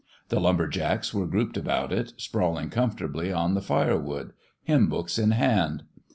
The lumber jacks were grouped about it, sprawling comfortably on the fire wood, hymn books in hand.